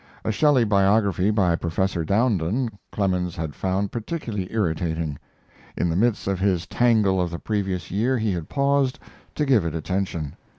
A Shelley biography by Professor Dowden, Clemens had found particularly irritating. In the midst of his tangle of the previous year he had paused to give it attention.